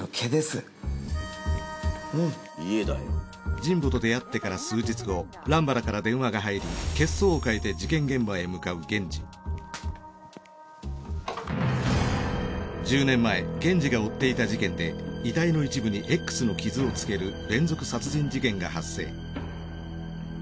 神保と出会ってから数日後乱原から電話が入り１０年前源次が追っていた事件で遺体の一部にＸの傷をつける連続殺人事件が発生。